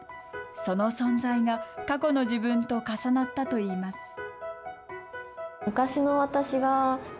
その存在が、過去の自分と重なったといいます。